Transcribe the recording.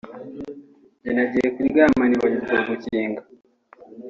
njye nagiye kuryama nibagirwa gukinga